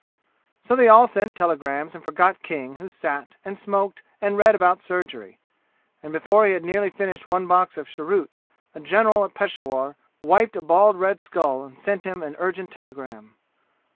So they all sent telegrams and forgot King who sat and smoked and read about surgery; and before he had nearly finished one box of cheroots a general at Peshawur wiped a bald red skull and sent him an urgent telegram.